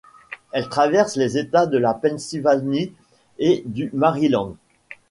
Elle traverse les États de la Pennsylvanie et du Maryland.